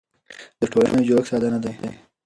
د ټولنې جوړښت ساده نه دی.